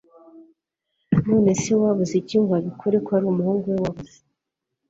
nonese we abuziki ngo abikore ko arumuhungu we wabuze!